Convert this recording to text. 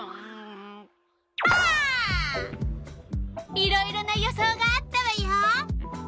いろいろな予想があったわよ。